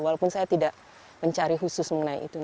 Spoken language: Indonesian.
walaupun saya tidak mencari khusus mengenai itu